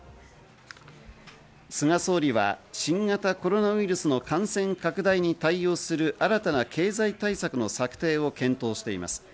菅総理は新型コロナウイルスの感染拡大に対応する新たな経済対策の策定を検討しています。